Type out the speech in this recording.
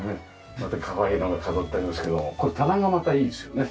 またかわいいのが飾ってありますけどもこれ棚がまたいいですよね。